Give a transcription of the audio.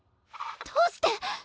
どうして？